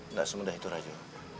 tidak semudah itu raju